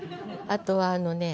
あとはあのね